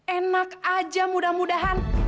enak aja mudah mudahan